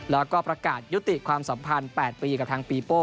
แล้วก็ประกาศยุติความสัมพันธ์๘ปีกับทางปีโป้